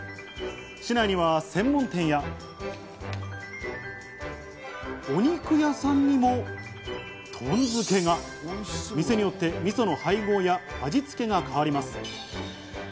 市内には専門店やお肉屋さんにもとん漬が店によって味噌の配合や味つけが変わります。